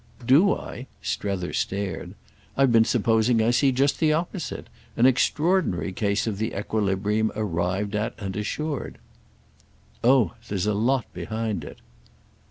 "Do I?"—Strether stared. "I've been supposing I see just the opposite—an extraordinary case of the equilibrium arrived at and assured." "Oh there's a lot behind it."